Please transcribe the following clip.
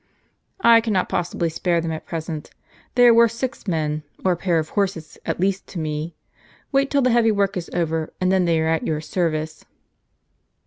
" I cannot possibly spare them at present. They are woi'th six men, or a pair of horses, at least, to me. Wait till the heavy work is over, and then they are at your ser vice."